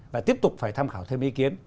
và tiếp tục phải tham khảo thêm ý kiến